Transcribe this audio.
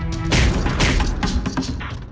kita mau masuk mandi